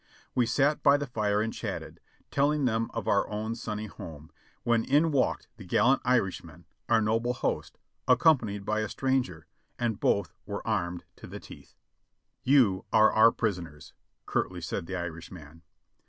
We sat by the fire and chatted, telling them of our own sunny home, when in walked the gallant Irishman, our noble host, ac companied by a stranger, and both were armed to the teeth. "You are our prisoners!" curtly said the Irishman.